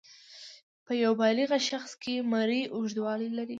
په یو بالغ شخص کې مرۍ اوږدوالی لري.